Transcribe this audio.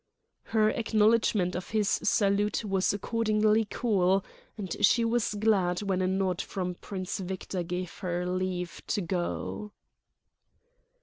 Her acknowledgment of his salute was accordingly cool, and she was glad when a nod from Prince Victor gave her leave to go.